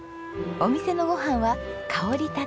お店のご飯は香り